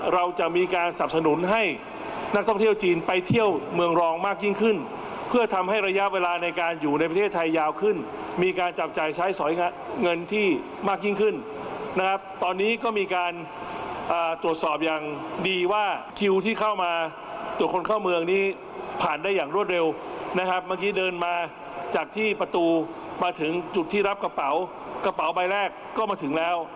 เราจะมีการสับสนุนให้นักท่องเที่ยวจีนไปเที่ยวเมืองรองมากยิ่งขึ้นเพื่อทำให้ระยะเวลาในการอยู่ในประเทศไทยยาวขึ้นมีการจับจ่ายใช้สอยเงินที่มากยิ่งขึ้นนะครับตอนนี้ก็มีการตรวจสอบอย่างดีว่าคิวที่เข้ามาตรวจคนเข้าเมืองนี้ผ่านได้อย่างรวดเร็วนะครับเมื่อกี้เดินมาจากที่ประตูมาถึงจุดที่รับกระเป๋ากระเป๋าใบแรกก็มาถึงแล้ว